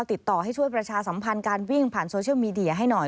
ติดต่อให้ช่วยประชาสัมพันธ์การวิ่งผ่านโซเชียลมีเดียให้หน่อย